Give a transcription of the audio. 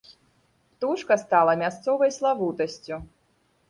Птушка стала мясцовай славутасцю.